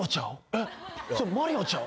えっそれマリオちゃう？